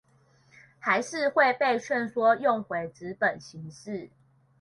還是會被勸說用回紙本形式